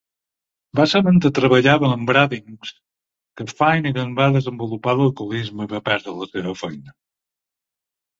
Va ser mentre treballava en Brading's que Finnigan va desenvolupar l'alcoholisme i va perdre la seva feina.